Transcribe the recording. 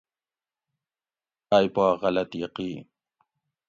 ائی پا غلط یقین